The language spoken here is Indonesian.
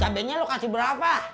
cabenya lo kasih berapa